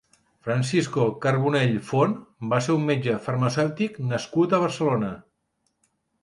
Francisco Carbonell Font va ser un metge farmacèutic nascut a Barcelona.